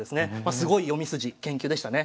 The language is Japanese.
すごい読み筋研究でしたね。